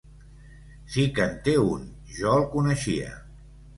Sí que en té un, jo el coneixia.